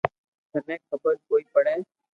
ٿني خبر ڪوئي پڙي